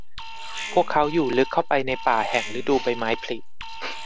พวกเขาอยู่ลึกเข้าไปในป่าแห่งฤดูใบไม้ผลิ